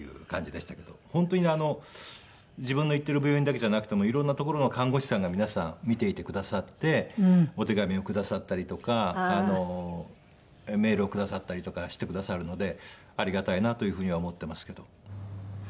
本当に自分の行ってる病院だけじゃなくて色んな所の看護師さんが皆さん見ていてくださってお手紙をくださったりとかメールをくださったりとかしてくださるのでありがたいなというふうには思っていますけど。